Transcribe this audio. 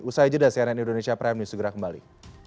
usai jeda cnn indonesia prime news segera kembali